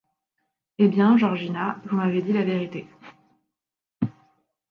Eh bien, Georgina, vous m'avez dit la vérité.